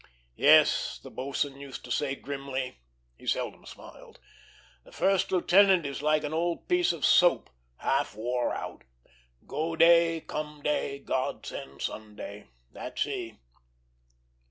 "Yes," the boatswain used to say grimly, he seldom smiled, "the first lieutenant is like an old piece of soap half wore out. Go day, come day, God send Sunday; that's he."